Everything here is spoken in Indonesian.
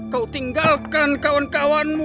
kau tinggalkan kawan kawanmu